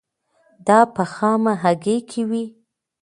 دا په خامه هګۍ کې وي.